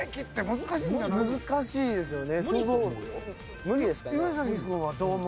難しいですよね。